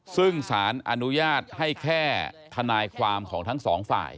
ซึ่งสารอนุญาตให้แค่ทนายความของทั้งสองฝ่าย